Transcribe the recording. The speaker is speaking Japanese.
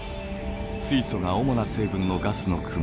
水素が主な成分のガスの雲